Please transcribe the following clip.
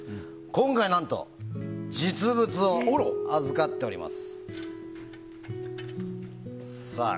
今回、何と実物を預かっております。